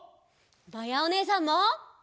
まやおねえさんも。